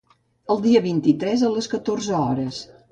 El dia vint-i-tres a les catorze hores.